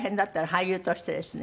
俳優としてですね。